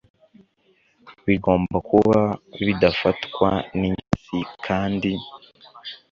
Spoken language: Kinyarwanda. bigomba kuba bidafatwa n ingese kandi